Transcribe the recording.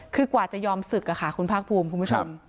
คือกว่าจะยอมศึกอ่ะคะคุณบ้างพูดคุณผู้ชม